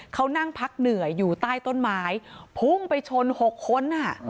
เขานั่งพักเหนื่อยอยู่ใต้ต้นไม้พุ่งไปชน๖คน